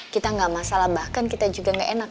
kita gak masalah bahkan kita juga gak enak sama tante ya